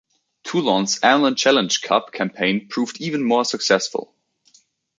Toulon's Amlin Challenge Cup campaign proved even more successful.